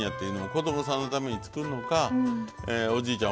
子供さんのために作るのかおじいちゃん